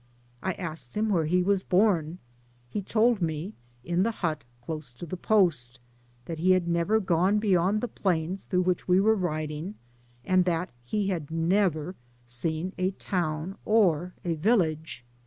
I asked him where he was bom ; he told me, in the hut close to the post; that he had never gone beyond the plains through which we were riding, and that he had never seen a town or a village.